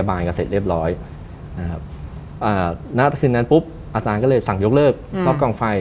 ท่านนะคราวนั้นปุ๊บอาจารย์ก็เลยสั่งยกเลิกรอบกลางไฟ